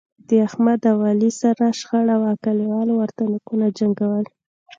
د احمد او علي سره شخړه وه، کلیوالو ورته نوکونو جنګول.